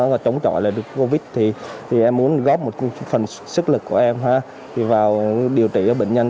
và chống chọi lại covid thì em muốn góp một phần sức lực của em vào điều trị bệnh nhân